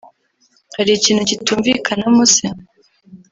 Hari ikintu kitumvikanamo se